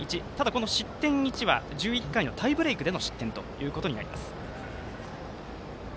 この失点の１は１１回のタイブレークでの失点ということになります。